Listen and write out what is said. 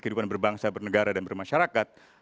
kehidupan berbangsa bernegara dan bermasyarakat